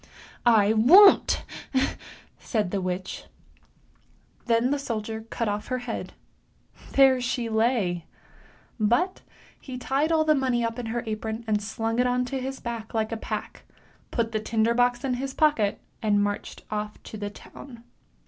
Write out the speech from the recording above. " I won't! " said the witch. Then the soldier cut off her head ; there she lay ! But he tied all the money up in her apron, slung it on his back like a pack, put the tinder box in his pocket, and marched off to the town.